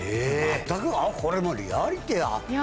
全くあっこれもうリアリティー。